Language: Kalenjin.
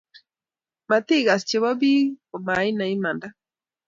Matigas chebo biik ko mainai imanda